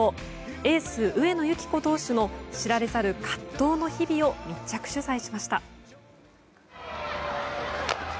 エース、上野由岐子投手の知られざる葛藤の日々を密着取材しました。